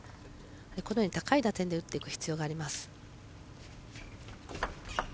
このように高い打点で打っていく必要があります。